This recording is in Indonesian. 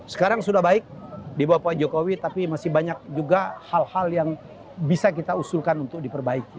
sekarang sudah baik di bawah pak jokowi tapi masih banyak juga hal hal yang bisa kita usulkan untuk diperbaiki